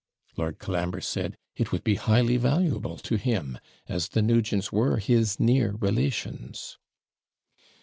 Lord Colambre said, 'It would be highly valuable to him as the Nugents were his near relations.'